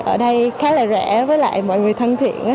ở đây khá là rẻ với lại mọi người thân thiện